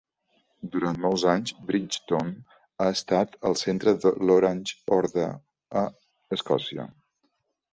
Durant molts anys, Bridgeton ha estat el centre de l'Orange Order a Escòcia.